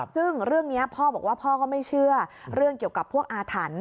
ซึ่งเรื่องนี้พ่อบอกว่าพ่อก็ไม่เชื่อเรื่องเกี่ยวกับพวกอาถรรพ์